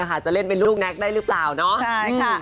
จะเล่นเป็นลูกแน็กได้หรือเปล่าเนาะใช่ค่ะ